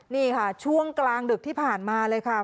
นี่ค่ะช่วงกลางดึกที่ผ่านมาเลยค่ะ